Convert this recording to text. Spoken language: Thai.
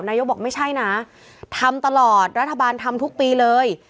นายกบอกไม่ใช่นะทำตลอดรัฐบาลทำทุกปีเลย